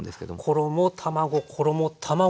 衣卵衣卵